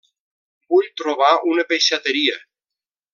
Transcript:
Vull trobar una peixateria.